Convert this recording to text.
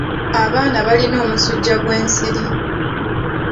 Abaana balina omusujja gw'ensiri.